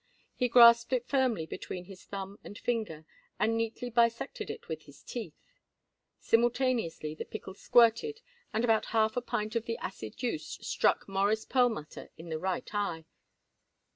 He grasped it firmly between his thumb and finger, and neatly bisected it with his teeth. Simultaneously the pickle squirted, and about a quarter of a pint of the acid juice struck Morris Perlmutter in the right eye.